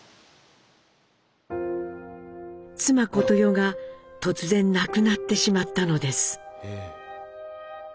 妻・小とよが突然亡くなってしまったのです。